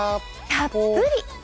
たっぷり。